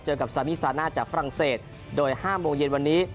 กับซามีซาน่าจากฝรั่งเศสโดย๕โมงเย็นวันนี้